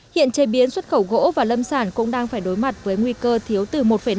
hiện chế biến xuất khẩu gỗ và lâm sản cũng đang phải đối mặt với nguy cơ thiếu từ một năm